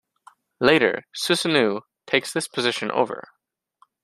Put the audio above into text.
Later Susanoo takes this position over.